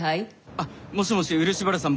あっもしもし漆原さん